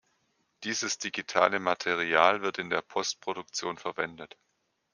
Dieses digitale Material wird in der Postproduktion verwendet.